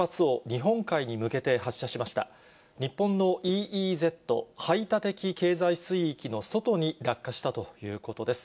日本のＥＥＺ・排他的経済水域の外に落下したということです。